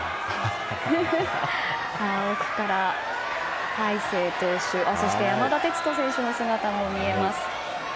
奥から大勢投手山田哲人選手の姿も見えます。